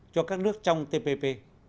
cho các nước trong tpp